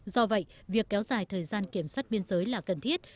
do vậy việc kéo dài thời gian kiểm soát biên giới là cần thiết